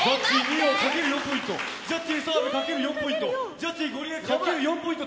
ジャッジ岩井かける４ポイント